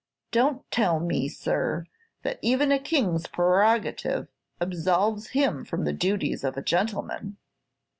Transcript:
Don't tell me, sir, that even a king's prerogative absolves him from the duties of a gentleman."